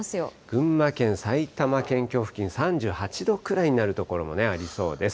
群馬県、埼玉県境付近、３８度くらいになる所もありそうです。